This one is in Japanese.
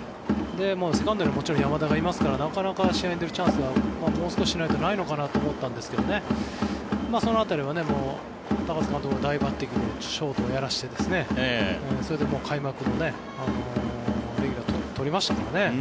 セカンドにはもちろん山田がいますからなかなか試合に出るチャンスがもう少ししないとないのかなと思ったんですけどその辺りは高津監督の大抜てきでショートをやらせてそれで開幕のレギュラーを取りましたからね。